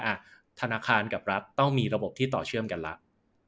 อ่ะธนาคารกับรัฐต้องมีระบบที่ต่อเชื่อมกันแล้ว